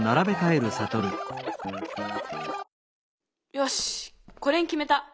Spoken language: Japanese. よしこれにきめた！